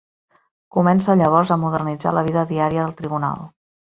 Comença llavors a modernitzar la vida diària del tribunal.